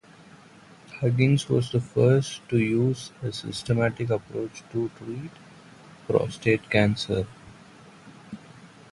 Huggins was the first to use a systemic approach to treat prostate cancer.